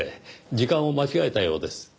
時間を間違えたようです。